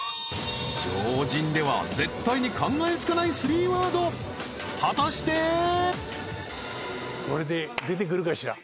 常人では絶対に考えつかない３ワード果たしてこれででてくるかしら？